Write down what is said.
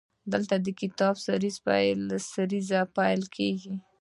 دلته د کتاب سریزه پیل کیږي.